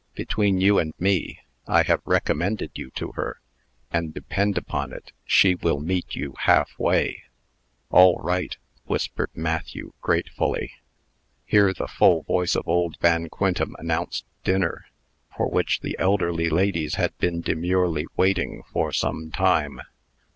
Between you and me, I have recommended you to her, and, depend upon it, she will meet you halfway." "All right," whispered Matthew, gratefully. Here the full voice of old Van Quintem announced dinner, for which the elderly ladies had been demurely waiting for some time.